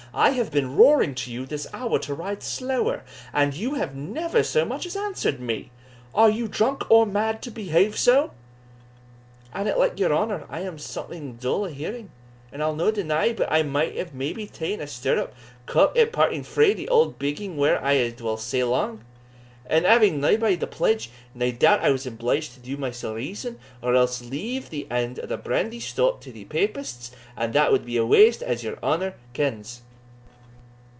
I have been roaring to you this hour to ride slower, and you have never so much as answered me Are you drunk or mad to behave so?" "An it like your honour, I am something dull o' hearing; and I'll no deny but I might have maybe taen a stirrup cup at parting frae the auld bigging whare I hae dwelt sae lang; and having naebody to pledge, nae doubt I was obliged to do mysell reason, or else leave the end o' the brandy stoup to thae papists and that wad be a waste, as your honour kens."